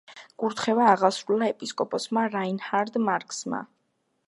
კურთხევა აღასრულა ეპისკოპოსმა რაინჰარდ მარქსმა.